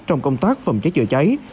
trong công tác phòng cháy chữa cháy